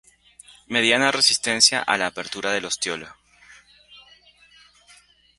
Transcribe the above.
Mediana resistencia a la apertura del ostiolo.